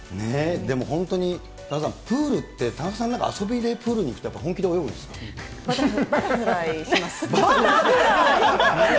でも、本当に田中さん、プールって田中さんなんか遊びでプールに行くと、バタフライします。